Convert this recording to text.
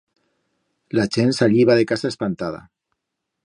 La chent salliba de casa espantada